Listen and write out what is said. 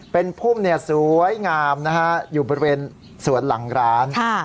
เป็นพุ่มสวยงามนะฮะอยู่บริเวณสวนหลังร้าน